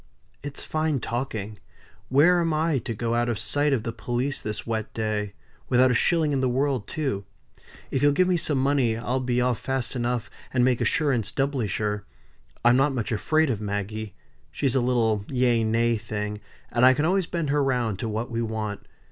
"It's fine talking. Where am I to go out of sight of the police this wet day: without a shilling in the world too? If you'll give me some money I'll be off fast enough, and make assurance doubly sure. I'm not much afraid of Maggie. She's a little yea nay thing, and I can always bend her round to what we want.